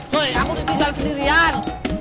coy aku udah bisa berhenti di hal